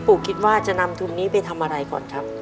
คิดว่าจะนำทุนนี้ไปทำอะไรก่อนครับ